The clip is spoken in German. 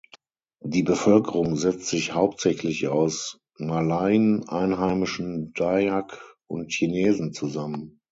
Die Bevölkerung setzt sich hauptsächlich aus Malaien, einheimischen Dayak und Chinesen zusammen.